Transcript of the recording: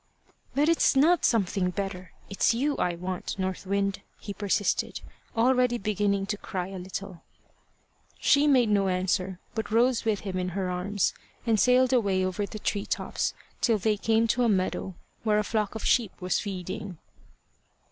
"But it's not something better it's you I want, North Wind," he persisted, already beginning to cry a little. She made no answer, but rose with him in her arms and sailed away over the tree tops till they came to a meadow, where a flock of sheep was feeding.